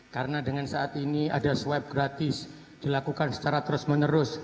karena dengan saat ini ada swipe graph